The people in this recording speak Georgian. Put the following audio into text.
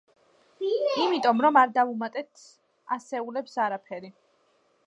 იმიტომ რომ არ დავუმატეთ ასეულებს არაფერი.